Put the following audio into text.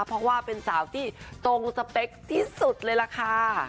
เพราะว่าเป็นสาวที่ตรงสเปคที่สุดเลยล่ะค่ะ